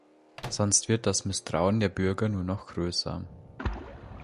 Sonst wird das Misstrauen der Bürger nur noch größer.